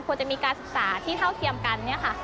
ควรจะมีการศึกษาที่เท่าเทียมกันเนี่ยค่ะ